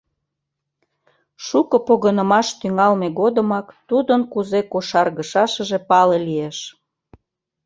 Шуко погынымаш тӱҥалме годымак тудын кузе кошаргышашыже пале лиеш.